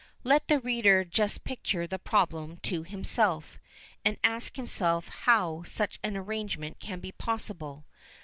Let the reader just picture the problem to himself, and ask himself how such an arrangement can be possible.